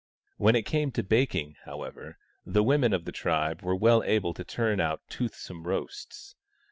When it came to baking, however, the women of the tribe were well able to turn out toothsome roasts.